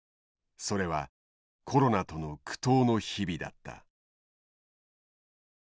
それはコロナとの苦闘の日々だった。